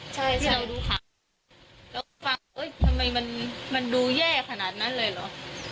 ที่เราดูข่าวเราก็ฟังทำไมมันดูแย่ขนาดนั้นเลยเหรอ